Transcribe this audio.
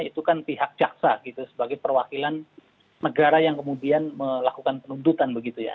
kita akan dipercaksa sebagai perwakilan negara yang kemudian melakukan penundutan